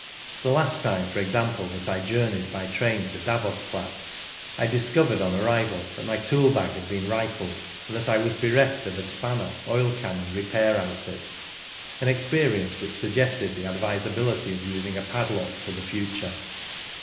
The last time, for example, that I journejred by train to Davos Platz, I discovered on arrival that my tool bag had been rifled, and that I Was bereft of a spanner, oil can, and repair outfit — an experience which sug gested the advisability of using a padlock for the future.